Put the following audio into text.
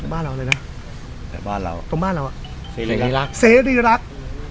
ตรงบ้านเราเลยนะตรงบ้านเราตรงบ้านเราเสรีริรักษ์เสรีริรักษ์